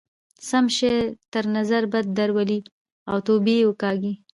سم شی تر نظر بد درولئ او توبې وکاږئ.